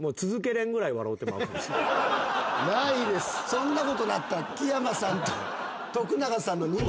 そんなことなったら木山さんと徳永さんの。